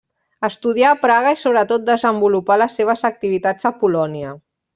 Estudià a Praga i sobretot desenvolupà les seves activitats a Polònia.